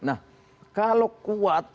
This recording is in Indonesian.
nah kalau kuat